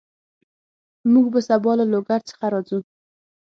موږ به سبا له لوګر څخه راځو